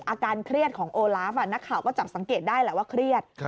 อาการเครียดของโอลาฟนักข่าวก็จับสังเกตได้แหละว่าเครียด